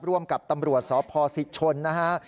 ร่วมกับตำรวจสศิษย์ชนร์นะครับ